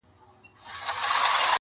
• ډلي ډلي له هوا څخه راتللې -